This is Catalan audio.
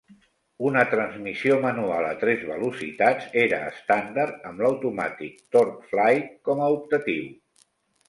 Una transmissió manual a tres velocitats era estàndard amb l'automàtic TorqueFlite com a optatiu.